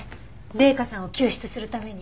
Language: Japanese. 麗華さんを救出するために。